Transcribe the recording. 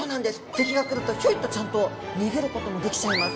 敵が来るとヒョイっとちゃんと逃げることもできちゃいます。